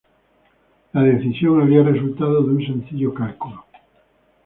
La decisión habría resultado de un sencillo cálculo.